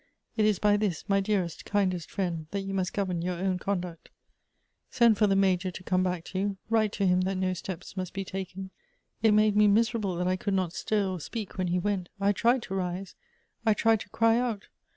It is by this, my dearest, kindest friend, that you must govern your own conduct. Send for the M.njor to come back to you. Write to him that no steps must be taken. It made me miserable that I could not stir or speak when he went ;— I tried to rise, — I tried to cry out.